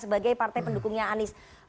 sebagai partai pendukungnya anies